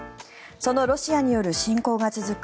そのロシアによる侵攻が続く